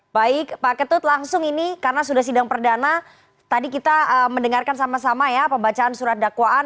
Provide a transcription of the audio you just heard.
baik pak ketut langsung ini karena sudah sidang perdana tadi kita mendengarkan sama sama ya pembacaan surat dakwaan